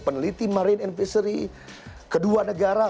peneliti marine invisory kedua negara